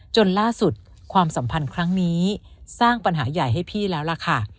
จนล่าสุดความสัมพันธ์ครั้งนี้สร้างปัญหาใหญ่ให้พี่แล้วล่ะค่ะ